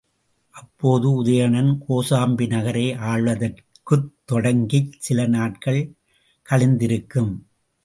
அப்போது உதயணன் கோசாம்பி நகரை ஆள்வதற்குத் தொடங்கிச் சில நாட்கள் கழிந்திருக்கும்.